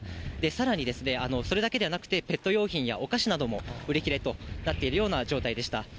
さらに、それだけではなくてペット用品やお菓子なども売り切れとなっているような状態でした。